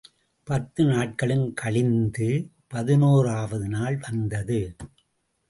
பத்து நாட்களும் கழிந்து பதினோராவது நாள் வந்தது.